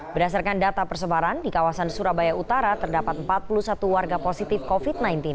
berdasarkan data persebaran di kawasan surabaya utara terdapat empat puluh satu warga positif covid sembilan belas